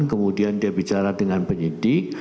kemudian dia bicara dengan penyidik